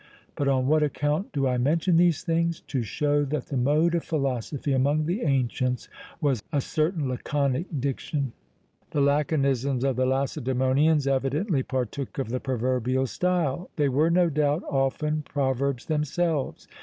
_ But on what account do I mention these things? To show that the mode of philosophy among the ancients was a certain laconic diction." The "laconisms" of the Lacedæmonians evidently partook of the proverbial style: they were, no doubt, often proverbs themselves.